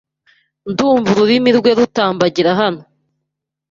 ndumva ururimi rwe rutambagirahano